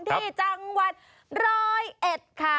ที่จังหวัดร้อยเอ็ดค่ะ